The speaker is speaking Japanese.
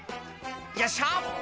「よっしゃ！」